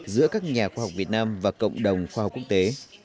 giữa các nhà khoa học việt nam và cộng đồng khoa học quốc tế